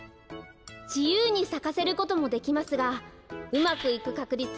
じゆうにさかせることもできますがうまくいくかくり